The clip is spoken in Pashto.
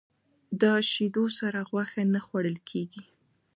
د شیدو سره غوښه نه خوړل کېږي.